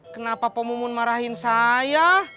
kenapa pemumun marahin saya